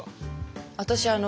私あの。